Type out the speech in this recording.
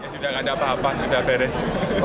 sudah tidak ada apa apa sudah beres